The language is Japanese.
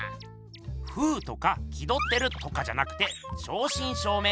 「風」とか「気どってる」とかじゃなくて正しん正めい